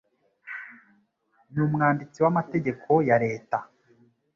Ni Umwanditsi wamategeko ya leta